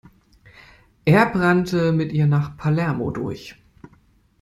Er brannte mit ihr nach Palermo durch.